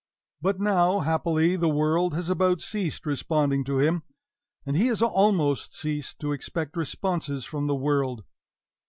But now, happily, the world has about ceased responding to him, and he has almost ceased to expect responses from the world.